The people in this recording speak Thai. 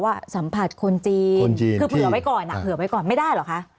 ว่าสัมผัสคนจีนเผื่อไว้ก่อนไม่ได้เหรอคะ